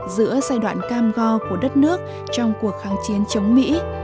giữa giai đoạn cam go của đất nước trong cuộc kháng chiến chống mỹ